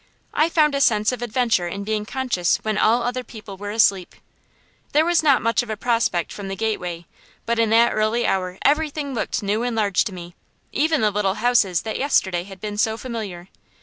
I found a sense of adventure in being conscious when all other people were asleep. There was not much of a prospect from the gateway, but in that early hour everything looked new and large to me, even the little houses that yesterday had been so familiar.